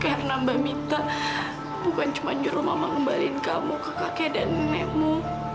karena mbak mita bukan cuma juru mama ngembalikan kamu ke kakek dan nenekmu